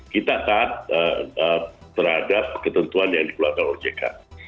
kita taat terhadap ketentuan yang dikeluarkan ojk